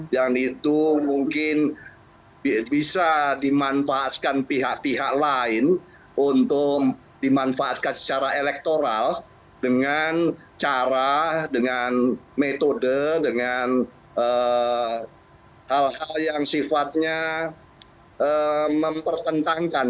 yang itu mungkin bisa dimanfaatkan pihak pihak lain untuk dimanfaatkan secara elektoral dengan cara dengan metode dengan hal hal yang sifatnya mempertentangkan